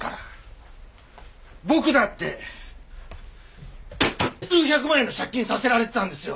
僕だって数百万円の借金させられてたんですよ！